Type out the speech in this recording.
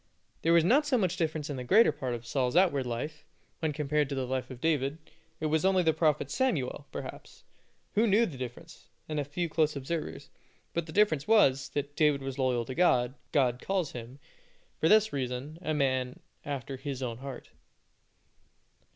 There was not so much difference in the greater part of Saul's outward life, when compared with the life of David. It was only the prophet Samuel, perhaps, who knew the difference, and a few close observers; but the difference was, that David was loyal to God, and God calls him, for this reason, a man after His own heart.